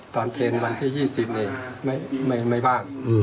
ตอนเพลงวันที่๒๐นี่ไม่ว่าง